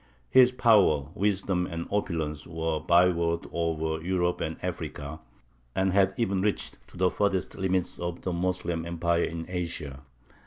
His power, wisdom, and opulence, were a byword over Europe and Africa, and had even reached to the furthest limits of the Moslem empire in Asia.